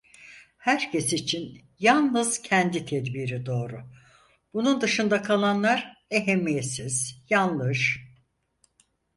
Herkes için yalnız kendi tedbiri doğru, bunun dışında kalanlar ehemmiyetsiz, yanlış…